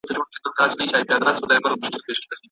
تاسي په خپلو خبرو کي تل په حقه او صادق یاست.